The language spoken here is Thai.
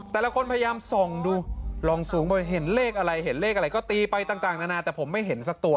แต่ละคนพยายามส่องดูลองมือสูงเห็นเลขอะไรคุณผู้ชมก็ตีไปต่างนานาแต่ผมไม่เห็นซะตัว